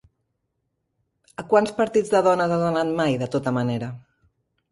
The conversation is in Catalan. A quants partits de dones has anat mai, de tota manera?